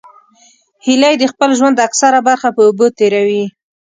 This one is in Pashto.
هیلۍ د خپل ژوند اکثره برخه په اوبو تېروي